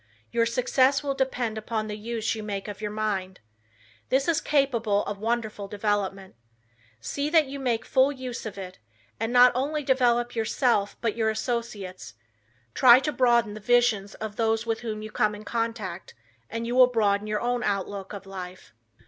Your success will depend upon the use you make of your mind. This is capable of wonderful development. See that you make full use of it, and not only develop yourself but your associates. Try to broaden the visions of those with whom you come in contact and you will broaden your own outlook of life.